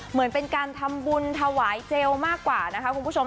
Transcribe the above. เหมือนเป็นการทำบุญถวายเจลมากกว่านะคะคุณผู้ชม